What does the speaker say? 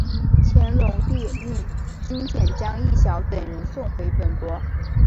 乾隆帝命金简将益晓等人送回本国。